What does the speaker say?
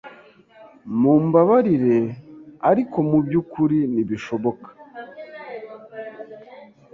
Mumbabarire, ariko mubyukuri ntibishoboka.